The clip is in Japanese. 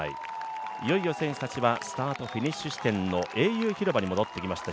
いよいよ選手たちはスタートフィニッシュ地点の英雄広場に戻ってきました。